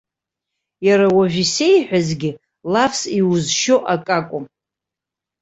Иара уажә исеиҳәазгьы лафс иузшьо ак акәым.